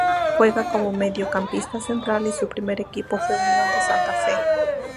Juega como mediocampista central y su primer equipo fue Unión de Santa Fe.